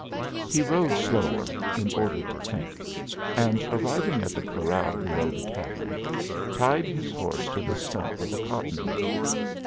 He rode slower, in order to think, and arriving at the corral below the cabin, tied his horse to the stump of a cottonwood.